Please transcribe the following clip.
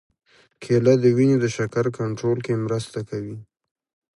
کېله د وینې د شکر کنټرول کې مرسته کوي.